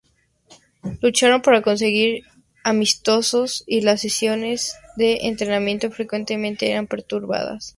Lucharon para conseguir amistosos y las sesiones de entrenamiento frecuentemente eran perturbadas.